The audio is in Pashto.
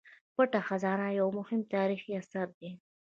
پټه خزانه یو مهم تاریخي اثر دی.